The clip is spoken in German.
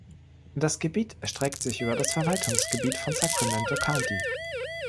Das Gebiet erstreckt sich über das Verwaltungsgebiet von Sacramento County.